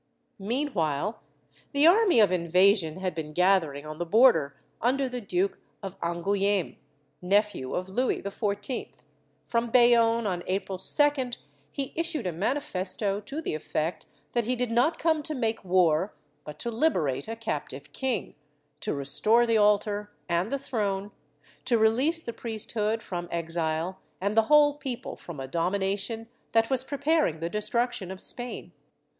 ^ Meanwhile the army of invasion had been gathering on the border under the Duke of Angouleme, nephew of Louis XIV. From Bayonne, on April 2d, he issued a manifesto to the effect that he did not come to make war but to liberate a captive king, to restore the Altar and the Throne, to release the priesthood from exile, and the whole people from a domination that was preparing the destruction of Spain.